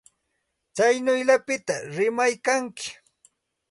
Tsaynawllapita rimaykanki.